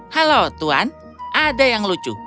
halo tuan ada yang lucu